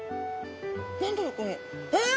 何だろうこれ？わ！